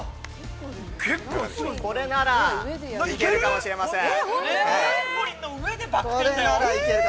◆これなら、いけるかもしれません。